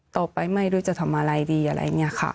ต่อไปไม่รู้จะทำอะไรดีอะไรเนี่ยค่ะ